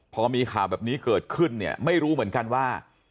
พอมีข่าวแบบนี้เกิดขึ้นเนี่ยไม่รู้เหมือนกันว่า